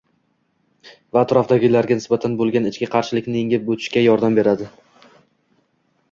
va atrofdagilarga nisbatan bo‘lgan ichki qarshilikni yengib o‘tishga yordam beradi.